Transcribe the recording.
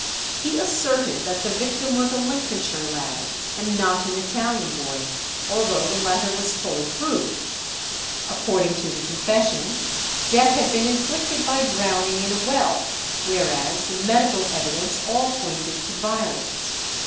He asserted that the victim was a Lincolnshire lad, and not an Italian boy, although the latter was fully proved. According to the confession, death had been inflicted by drowning in a well, whereas the medical evidence all pointed to violence.